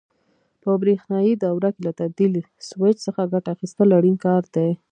په برېښنایي دوره کې له تبدیل سویچ څخه ګټه اخیستل اړین کار دی.